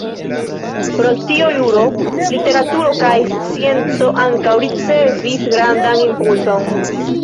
Pro tio juro, literaturo kaj scienco ankaŭ ricevis grandan impulson.